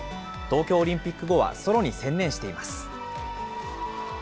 東京オリンピック後は、ソロに専念しています。